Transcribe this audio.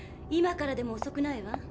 今からでもおそくないわ。